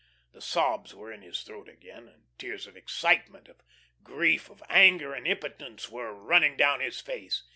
The sobs were in his throat again, and tears of excitement, of grief, of anger and impotence were running down his face.